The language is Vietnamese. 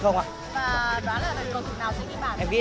và đoán là đội nào sẽ ghi bản